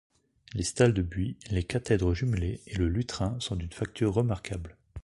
Les stalles de buis, les cathèdres jumelées et le lutrin sont d'une facture remarquable.